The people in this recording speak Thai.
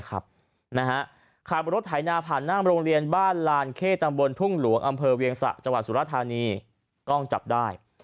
ขับรถไถนาผ่านหน้าโรงเรียนบ้านลานเข้ตำบลทุ่งหลวงอำเภอเวียงสะจังหวัดสุรธานีกล้องจับได้